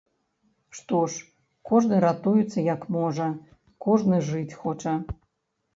Што ж, кожны ратуецца, як можа, кожны жыць хоча.